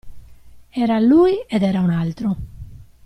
Era lui ed era un altro!